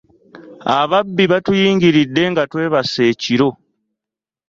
Ababbi batuyingiride nga twebase ekiro.